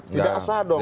tidak asah dong